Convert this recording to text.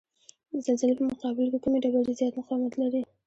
د زلزلې په مقابل کې کومې ډبرې زیات مقاومت لري؟